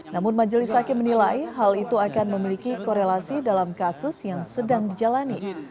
namun majelis hakim menilai hal itu akan memiliki korelasi dalam kasus yang sedang dijalani